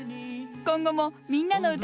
今後も「みんなのうた」